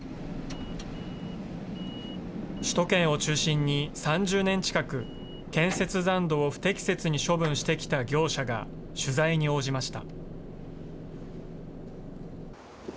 首都圏を中心に、３０年近く、建設残土を不適切に処分してきた業者が、取材に応じました。